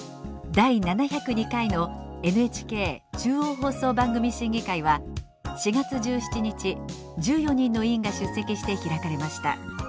第７０２回のＮＨＫ中央放送番組審議会は４月１７日１４人の委員が出席して開かれました。